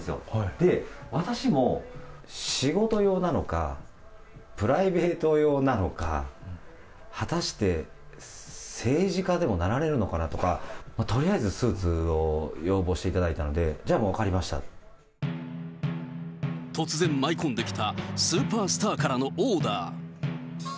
で、私も仕事用なのか、プライベート用なのか、果たして、政治家でもなられるのかなとか、とりあえずスーツを要望していただいたので、じゃあもう分かりま突然舞い込んできた、スーパースターからのオーダー。